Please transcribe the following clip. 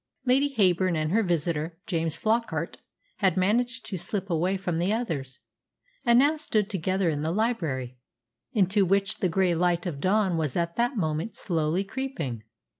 Lady Heyburn and her visitor, James Flockart, had managed to slip away from the others, and now stood together in the library, into which the grey light of dawn was at that moment slowly creeping.